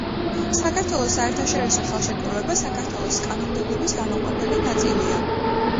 საქართველოს საერთაშორისო ხელშეკრულება საქართველოს კანონმდებლობის განუყოფელი ნაწილია.